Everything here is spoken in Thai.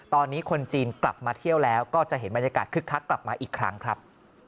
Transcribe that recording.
ตอนนี้คนจีนกลับมาเที่ยวแล้วก็จะเห็นบรรยากาศคึกคักกลับมาอีกครั้งครับ